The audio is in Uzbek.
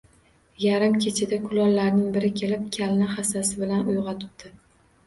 Yarim kechada kulollarning piri kelib kalni hassasi bilan uyg‘otibdi